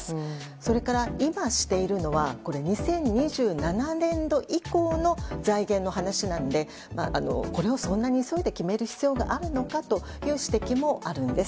それから、今しているのは２０２７年度以降の財源の話なのでこれをそんなに急いで決める必要があるのかという指摘もあるんです。